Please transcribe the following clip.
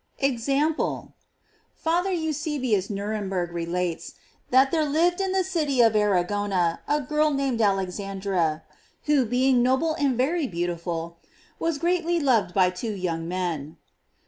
EXAMPLE. Father Eusebius Nierembergh relates,! that there lived in the city of Aragona a girl, named Alexandra who, being noble and very beautiful, was greatly loved by two young men.